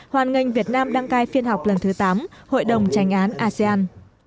hoàn ngành việt nam đăng cai phiên họp lần thứ tám hội đồng tranh án asean